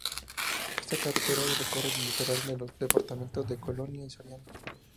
Esta carretera recorre el litoral de los departamentos de Colonia y Soriano.